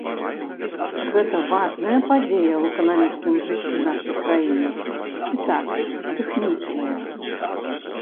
Гэта важная падзея ў эканамічным жыцці нашай краіны, ці так, тэхнічная?